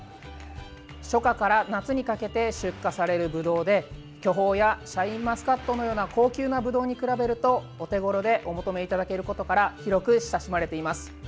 初夏から夏にかけて出荷されるぶどうで巨峰やシャインマスカットのような高級なぶどうに比べるとお手ごろでお求めいただけることから広く親しまれています。